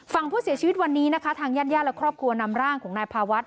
ฝั่งผู้เสียชีวิตวันนี้นะคะทางญาติญาติและครอบครัวนำร่างของนายพาวัด